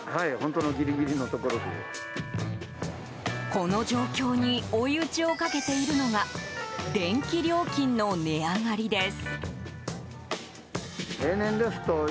この状況に追い打ちをかけているのが電気料金の値上がりです。